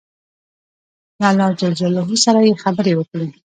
له الله جل جلاله سره یې خبرې وکړې.